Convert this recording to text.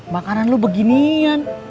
makanan lo beginian